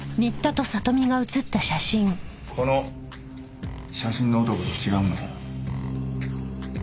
この写真の男と違うの？